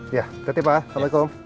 iya sampai jumpa pak assalamu'alaikum